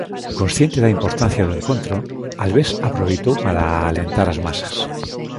Consciente da importancia do encontro, Albés aproveitou para alentar as masas.